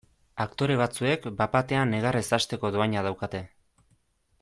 Aktore batzuek bat batean negarrez hasteko dohaina daukate.